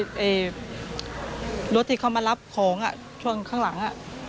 รถที่เขามารับของช่วงข้างหลัง